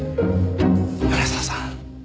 米沢さん